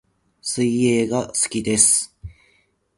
水泳が好きです